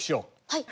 はい。